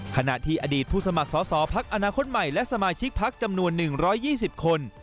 ขณะที่อดีตผู้สมัครสอสอพักอนาคตใหม่และสมาชิกพักจำนวน๑๒๐คน